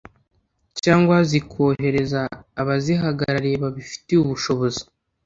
cyangwa zikohereza abazihagarariye babifitiye ubushobozi